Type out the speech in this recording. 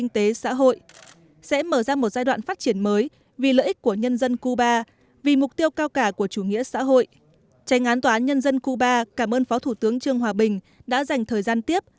trang án tòa án nhân dân cuba cảm ơn phó thủ tướng trương hòa bình đã dành thời gian tiếp